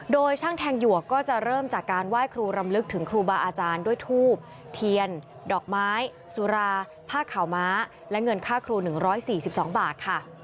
โดยช่างแทงหยวกก็จะเริ่มจากการไหว้ครูรำลึกถึงครูบาอาจารย์ด้วยทูบเทียนดอกไม้สุราผ้าขาวม้าและเงินค่าครู๑๔๒บาทค่ะ